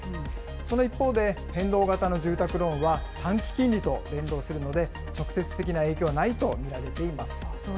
その一方で、変動型の住宅ローンは、短期金利と連動するので、直接的な影響はないと見られています。